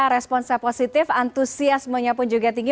responsnya positif antusiasmenya pun juga tinggi